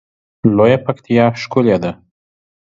لویه پکتیا ښکلی ده